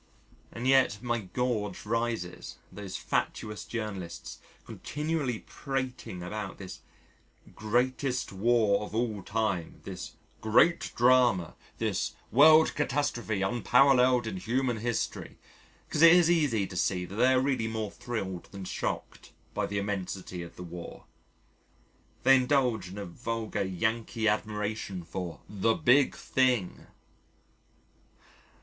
And yet my gorge rises at those fatuous journalists continually prating about this "Greatest War of all time," this "Great Drama," this "world catastrophe unparalleled in human history," because it is easy to see that they are really more thrilled than shocked by the immensity of the War. They indulge in a vulgar Yankee admiration for the Big Thing.